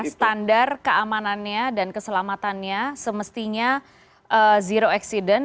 standar keamanannya dan keselamatannya semestinya zero accident